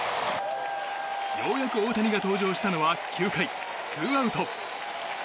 ようやく大谷が登場したのは９回ツーアウト。